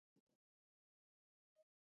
استالف کلالي مشهوره ده؟